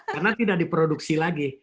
karena tidak diproduksi lagi